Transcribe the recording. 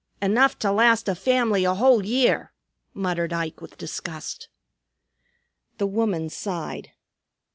"Enough to last a family a whole year," muttered Ike with disgust. The woman sighed.